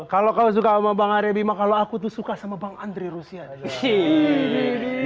kalau kamu suka sama bapak arya bima kalau aku tuh suka sama bapak andre rusyade